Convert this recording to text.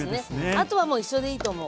あとは一緒でいいと思う。